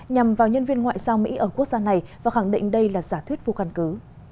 nhằm vào nhân viên ngoại giao mỹ ở quốc gia này và khẳng định đây là giả thuyết vô căn cứ